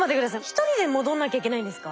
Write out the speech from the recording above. １人で戻んなきゃいけないんですか？